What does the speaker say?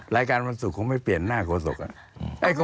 รายการวันศุกร์คงไม่เปลี่ยนหน้าโฆษก